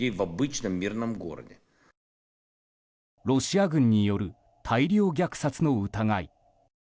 ロシア軍による大量虐殺の疑い。